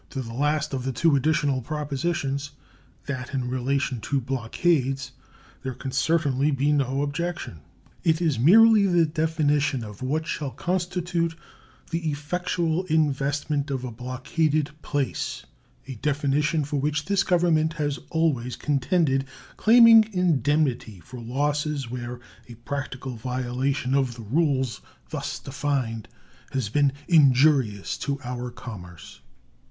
To the last of the two additional propositions that in relation to blockades there can certainly be no objection. It is merely the definition of what shall constitute the effectual investment of a blockaded place, a definition for which this Government has always contended, claiming indemnity for losses where a practical violation of the rule thus defined has been injurious to our commerce.